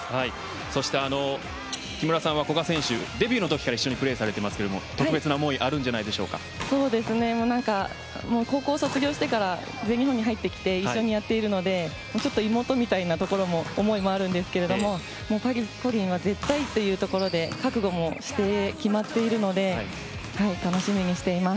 そして、木村さんは古賀選手、デビューのときから一緒にプレーされていますが特別な思いが高校卒業してから全日本に入ってきて一緒にやっているのでちょっと妹みたいなところもあるんですけどパリ五輪は絶対というところで覚悟もして、決まっているので楽しみにしています。